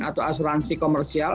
atau asuransi komersial